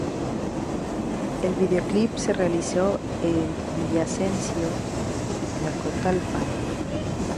El vídeo Clip se realizó en: Villavicencio y Tlacotalpan.